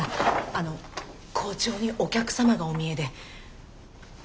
あの校長にお客様がお見えで。